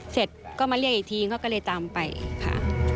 เสร็จก็มาเรียกอีกทีเขาก็เลยตามไปค่ะ